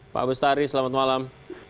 pak bestari selamat malam